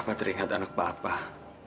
bapak teringat anak bapak